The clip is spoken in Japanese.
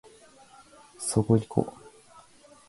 そこいこ